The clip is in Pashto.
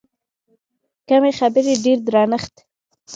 کمې خبرې، ډېر درنښت.